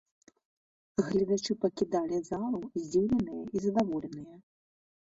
Гледачы пакідалі залу здзіўленыя і задаволеныя.